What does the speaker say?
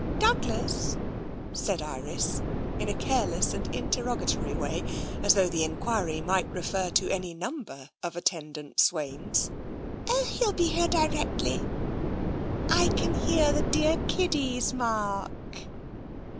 "Douglas?" said Iris, in a careless and interroga tory way, as though the enquiry might refer to any number of attendant swains. " Oh, he'll be here directly. I can hear the dear kiddies, Mark."